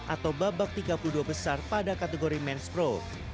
atau babak tiga puluh dua besar pada kategori men's pro